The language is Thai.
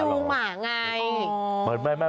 เดินจูหมาไง